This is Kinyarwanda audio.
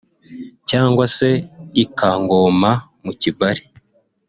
cyangwa se i-Kangoma mu Kibali